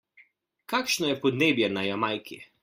Kakšno je podnebje na Jamajki?